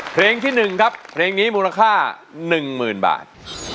เพลงที่๑ครับเพลงนี้มูลค่า๑๐๐๐บาท